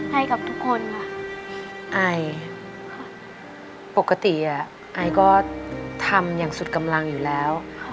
ให้กับทุกคนค่ะไอค่ะปกติไอก็ทำอย่างสุดกำลังอยู่แล้ว